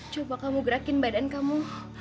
coba kamu gerakin badan kamu